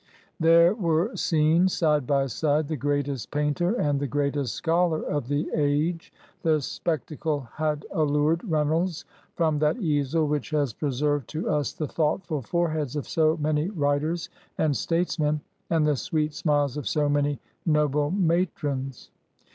There were seen, side by side, the greatest painter and the greatest scholar of the age. The spec tacle had allured Reynolds from that easel which has preserved to us the thoughtful foreheads of so many writers and statesmen, and the sweet smiles of so many noble matrons.